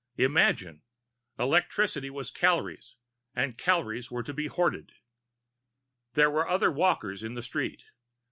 Imagine! Electricity was calories, and calories were to be hoarded. There were other walkers in the street.